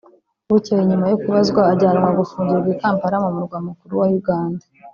bukeye nyuma yo kubazwa ajyanwa gufungirwa I Kampala mu murwa mukuru wa Uganda